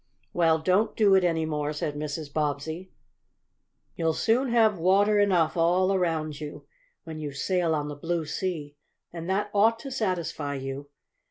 "Well, don't do it any more," said Mrs. Bobbsey. "You'll soon have water enough all around you, when you sail on the blue sea, and that ought to satisfy you.